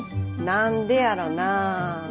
何でやろなあ？